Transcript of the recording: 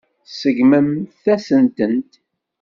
Tseggmemt-as-tent.